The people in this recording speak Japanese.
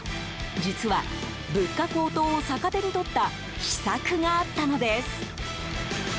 実は、物価高騰を逆手に取った秘策があったのです。